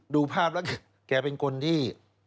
ดูภาพแล้วแกเป็นคนที่